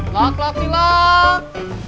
lak lak silak